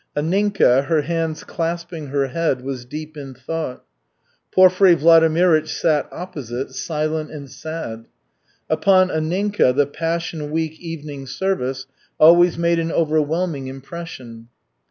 Anninka, her hands clasping her head, was deep in thought. Porfiry Vladimirych sat opposite, silent and sad. Upon Anninka the Passion Week evening service always made an overwhelming impression.